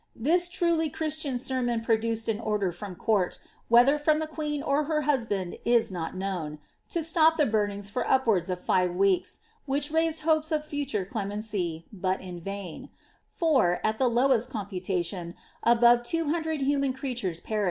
This truly Christian sermon produced an order from com t, whether from the queen or her husband is not known, to stop the burnings l<ir up wards of five weeks, which raised hopes of futare clemeacy, but in vaia i for, at the lowest computationt above two hundred human crea •Tlii» fani it told neatly in Uic word, of Dr. Sni.iliey.